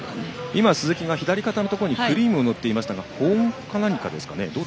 今、鈴木が左肩のところにクリームを塗っていましたが防温ですかね。